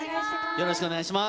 よろしくお願いします。